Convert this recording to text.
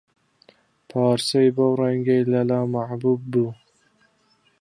پارچەی بەو ڕەنگەی لەلا مەحبووب بوو